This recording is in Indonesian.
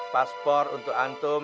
paspor untuk antum